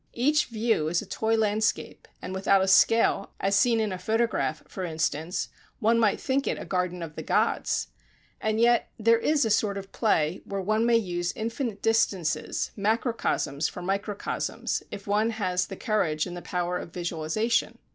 Each view is a toy landscape, and without a scale, as seen in a photograph, for instance, one might think it a garden of the gods. And yet, there is a sort of play where one may use infinite distances, macrocosms for microcosms, if one has the courage and the power of visualization.